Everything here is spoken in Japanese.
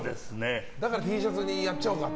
だからＴシャツにやっちゃおうかと。